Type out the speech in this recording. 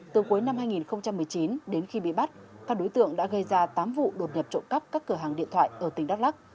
từ cuối năm hai nghìn một mươi chín đến khi bị bắt các đối tượng đã gây ra tám vụ đột nhập trộm cắp các cửa hàng điện thoại ở tỉnh đắk lắc